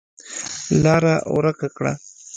لاره ورکه کړه.